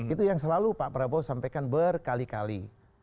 itu yang selalu pak prabowo sampaikan berkali kali